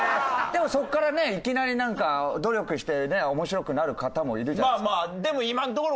でもそこからねいきなりなんか努力してね面白くなる方もいるじゃないですか。